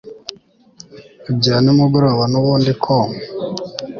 ibya nimugoroba nubundi ko